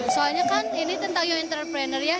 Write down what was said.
soalnya kan ini tentang young entrepreneur ya